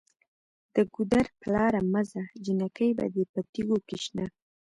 د ګودر په لاره مه ځه جینکۍ به دې په تیږو کې شنه